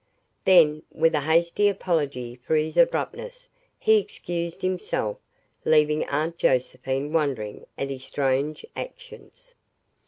Then, with a hasty apology for his abruptness, he excused himself, leaving Aunt Josephine wondering at his strange actions.